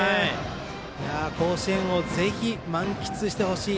甲子園をぜひ満喫してほしい。